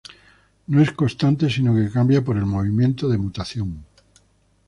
No es constante sino que cambia por el movimiento de nutación.